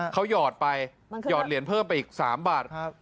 เขาหยอดไปหยอดเหรียญเพิ่มไปอีก๓บาท